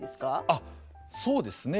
あっそうですね。